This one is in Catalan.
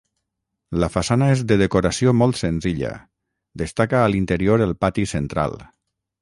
La façana és de decoració molt senzilla; destaca a l'interior el pati central.